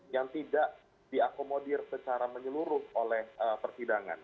yang tidak diakomodir secara menyeluruh oleh persidangan